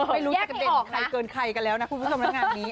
ไม่รู้ว่าจะเต็มใครเกินใครกันแล้วนะคุณผู้ชมรักงานนี้